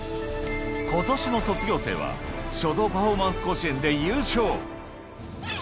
ことしの卒業生は、書道パフォーマンス甲子園で優勝。